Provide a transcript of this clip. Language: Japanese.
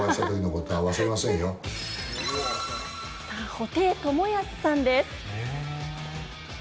布袋寅泰さんです。